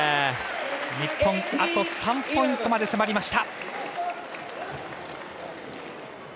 日本、あと３ポイントまで迫りました。